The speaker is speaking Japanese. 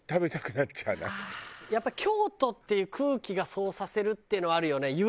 やっぱ京都っていう空気がそうさせるっていうのはあるよね。